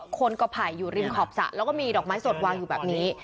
คนก่อไผ่อยู่ริมขอบสระแล้วก็มีดอกไม้สดวางอยู่แบบนี้